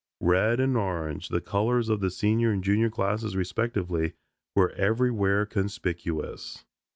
Red and orange, the colors of the Senior and Junior classes respectively, were everywhere conspicuous.